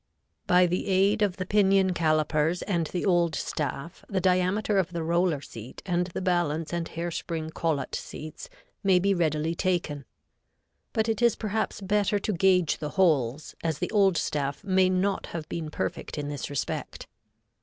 By the aid of the pinion calipers and the old staff, the diameter of the roller seat and the balance and hair spring collet seats may be readily taken, but it is perhaps better to gauge the holes, as the old staff may not have been perfect in this respect.